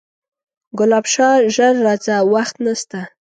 ګلاب شاه ژر راځه وخت نسته